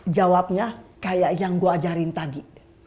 jawabnya kayak yang gue ajarin tadi